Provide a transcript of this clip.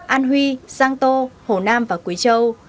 an huy giang tô hồ nam và quý châu